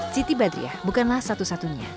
siti badriah bukanlah satu satunya